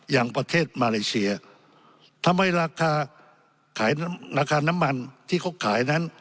อย่างประเทศมาเลเซียทำให้ราคาขายราคาน้ำมันที่เขาขายนั้น